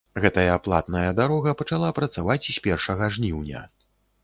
Гэтая платная дарога пачала працаваць з першага жніўня.